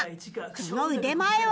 その腕前は？